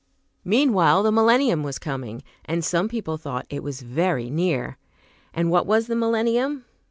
Meanwhile the millennium was coming, and some people thought it was very near. And what was the millennium?